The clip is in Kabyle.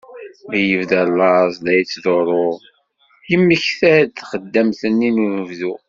Mi yebda llaẓ la t-yettḍurru, yemmekta-d taxeddamt-nni n unebdu.